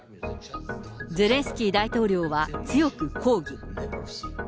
ゼレンスキー大統領は強く抗議。